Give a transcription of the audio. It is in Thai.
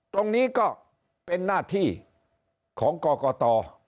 ตรงนี้ก็เป็นหน้าที่ของกรกต